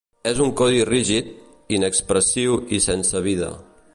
És un codi rígid, inexpressiu i sense vida.